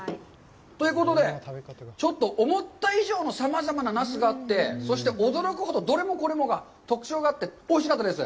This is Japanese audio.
ということで、ちょっと思った以上のさまざまなナスがあって、そして、驚くほどどれもこれもが特徴があって、おいしかったです。